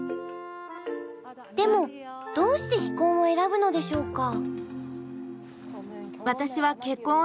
でもどうして非婚を選ぶのでしょうか？